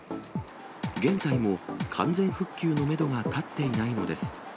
現在も完全復旧のメドが立っていないのです。